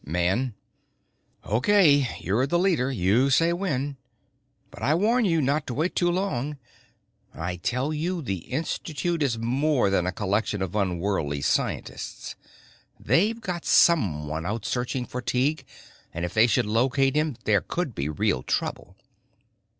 Man: "Okay, you're the leader, you say when. But I warn you not to wait too long. I tell you the Institute is more than a collection of unworldly scientists. They've got someone out searching for Tighe and if they should locate him there could be real trouble."